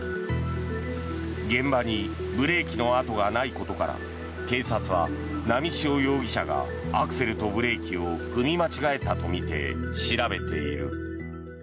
現場にブレーキの跡がないことから警察は波汐容疑者がアクセルとブレーキを踏み間違えたとみて調べている。